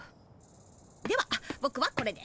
ではぼくはこれで。